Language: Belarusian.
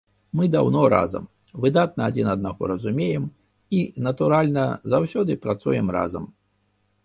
Мы даўно разам, выдатна адзін аднаго разумеем і, натуральна, заўсёды працуем разам.